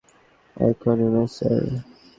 এখনো না, স্যার।